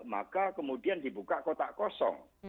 maka kemudian dibuka kotak kosong